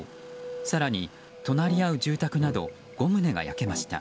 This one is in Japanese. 更に隣り合う住宅など５棟が焼けました。